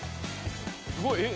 すごいえっ。